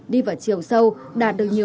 đi vào chiều sâu đạt được những kết quả